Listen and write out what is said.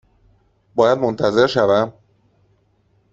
باید منتظر شوم؟